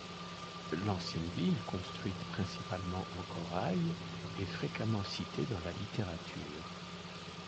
L’ancienne ville, construite principalement en corail est fréquemment citée dans la littérature.